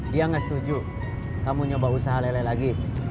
dia nggak setuju kamu nyoba usaha lele lagi